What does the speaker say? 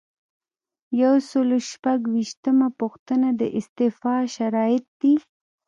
یو سل او شپږ ویشتمه پوښتنه د استعفا شرایط دي.